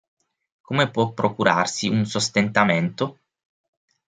Come può procurarsi un sostentamento?".